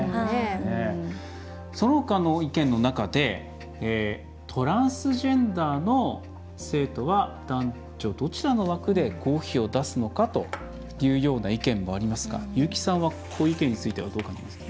そのほかの意見の中でトランスジェンダーの生徒は男女どちらの枠で合否を出すのかというような意見もありますが優木さんは、この意見についてどう感じますか？